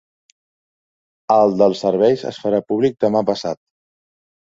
El dels serveis es farà públic demà passat.